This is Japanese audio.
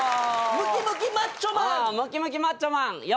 ムキムキマッチョマン横。